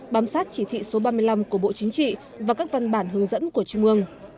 bám sát chỉ thị số ba mươi năm của bộ chính trị và các văn bản hướng dẫn của trung ương